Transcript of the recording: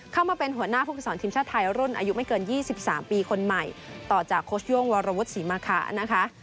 เข้ามาเป็นหัวหน้าผู้ฝึกสอนทีมชาติไทยรุ่นอายุไม่เกิน๒๓ปีคนใหม่ต่อจากโค้ชโย่งวรวุฒิศรีมาคะนะคะ